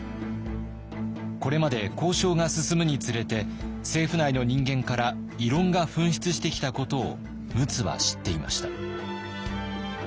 これまで交渉が進むにつれて政府内の人間から異論が噴出してきたことを陸奥は知っていました。